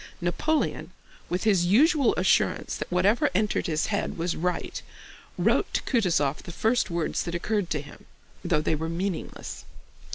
Napoleon, with his usual assurance that whatever entered his head was right, wrote to Kutúzov the first words that occurred to him, though they were meaningless.